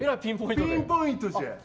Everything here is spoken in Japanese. ピンポイントじゃ。